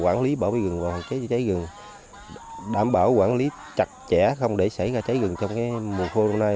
quản lý bảo vệ rừng và cháy rừng đảm bảo quản lý chặt chẽ không để xảy ra cháy rừng trong cái mùa khô năm nay